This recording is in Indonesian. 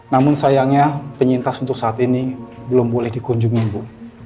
namun sayangnya penyintas untuk saat ini belum boleh dikunjungi bu